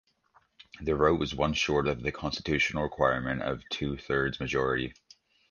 Their vote was one short of the constitutional requirement of a two-thirds majority.